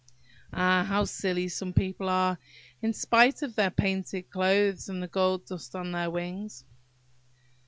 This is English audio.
Ah! how silly some people are, in spite of their painted clothes and the gold dust on their wings!"